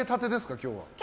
今日は。